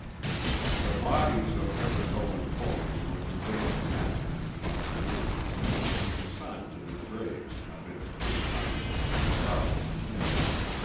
The bodies of Eversole and Combs were conveyed to Hazard in the afternoon and consigned to their graves amid a great concourse of sorrowing people.